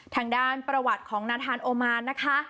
ทางด้านประวัติของนาธานโอมานนะคะ